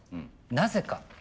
なぜか？